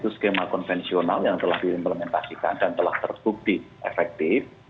itu skema konvensional yang telah diimplementasikan dan telah terbukti efektif